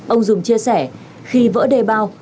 ông dùng chia sẻ khi vỡ đê bao